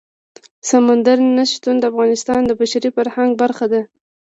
سمندر نه شتون د افغانستان د بشري فرهنګ برخه ده.